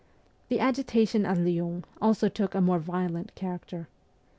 The agitation at Lyons also took a more violent character.